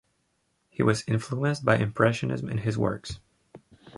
He was influenced by impressionism in his works.